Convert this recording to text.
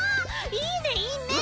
いいねいいね！